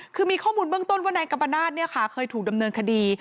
คือมีข้อมูลเบื้องต้นว่านายกัมปนาศเนี่ยค่ะเคยถูกดำเนินคดี